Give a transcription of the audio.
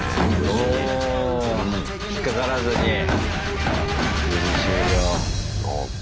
おお引っ掛からずに無事終了。